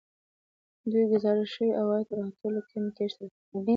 دوی ګزارش شوي عواید تر ټولو کمې کچې ته رسولي